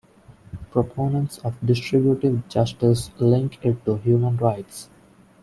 Proponents of distributive justice link it to human rights.